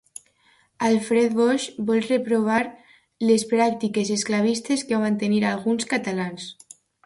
Alfred Bosch vol reprovar les pràctiques esclavistes que van tenir alguns catalans